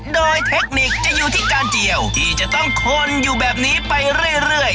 โดยเทคนิคจะอยู่ที่การเจียวที่จะต้องคนอยู่แบบนี้ไปเรื่อย